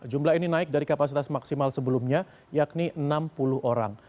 jumlah ini naik dari kapasitas maksimal sebelumnya yakni enam puluh orang